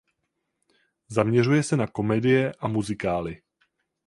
Zaměřuje se na komedie a muzikály.